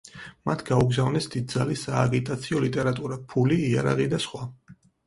მათ გაუგზავნეს დიდძალი სააგიტაციო ლიტერატურა, ფული, იარაღი და სხვა.